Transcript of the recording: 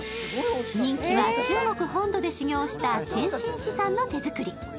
人気は中国本土で修行した点心師の手作り。